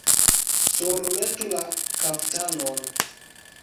Surmetu la kaftanon!